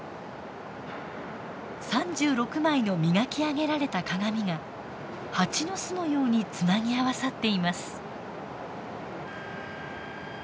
３６枚の磨き上げられた鏡が蜂の巣のようにつなぎ合わさっています。